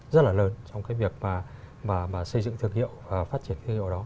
rất là lớn trong cái việc mà xây dựng thương hiệu và phát triển thương hiệu đó